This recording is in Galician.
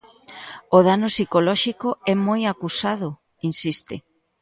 O dano psicolóxico é moi acusado, insiste.